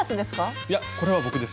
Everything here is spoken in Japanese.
いやこれは僕です。